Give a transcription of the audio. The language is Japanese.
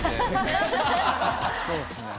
そうですね。